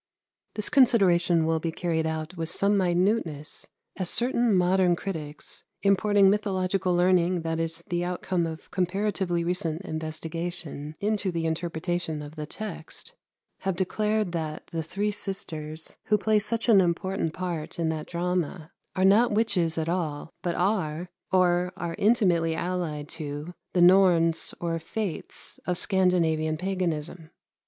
This consideration will be carried out with some minuteness, as certain modern critics, importing mythological learning that is the outcome of comparatively recent investigation into the interpretation of the text, have declared that the three sisters who play such an important part in that drama are not witches at all, but are, or are intimately allied to, the Norns or Fates of Scandinavian paganism.